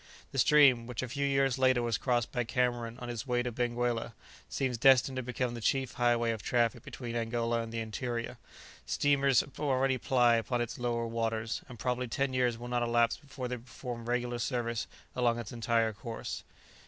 The stream, which a few years later was crossed by Cameron on his way to Benguela, seems destined to become the chief highway of traffic between Angola and the interior; steamers already ply upon its lower waters, and probably ten years will not elapse before they perform regular service along its entire course.